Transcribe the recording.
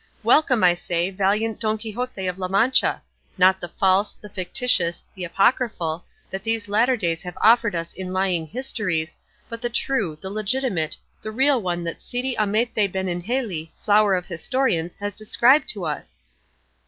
Welcome, I say, valiant Don Quixote of La Mancha; not the false, the fictitious, the apocryphal, that these latter days have offered us in lying histories, but the true, the legitimate, the real one that Cide Hamete Benengeli, flower of historians, has described to us!"